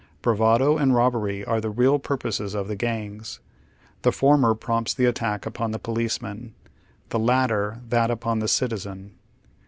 Bravado and robbery are the real purposes of the gangs; the former prompts tlie attack upon the police man, the latter that upon the citizen.